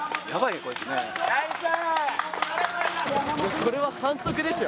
これは反則ですよ。